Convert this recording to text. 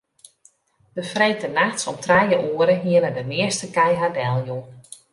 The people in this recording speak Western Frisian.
De freedtenachts om trije oere hiene de measte kij har deljûn.